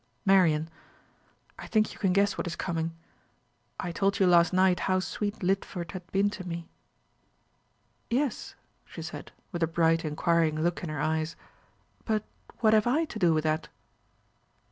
Marian, I think you can guess what is coming. I told you last night how sweet Lidford had been to me." "Yes," she said, with a bright inquiring look in her eyes. "But what have I to do with that?"